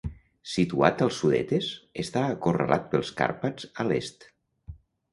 Situat als Sudetes, està acorralat pels Carpats a l'est.